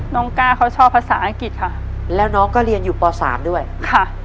กล้าเขาชอบภาษาอังกฤษค่ะแล้วน้องก็เรียนอยู่ปสามด้วยค่ะ